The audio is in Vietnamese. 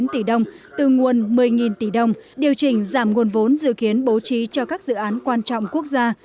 bốn sáu mươi chín tỷ đồng từ nguồn một mươi tỷ đồng điều chỉnh giảm nguồn vốn dự kiến bố trí cho các dự án quan trọng quốc gia